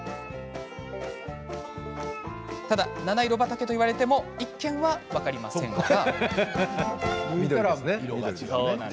ただ七色畑と言われても一見、分かりませんが。